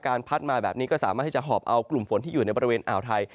พัดมาแบบนี้ก็สามารถที่จะหอบเอากลุ่มฝนที่อยู่ในบริเวณอ่าวไทย